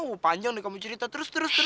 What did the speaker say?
wah panjang nih kamu cerita terus terus terus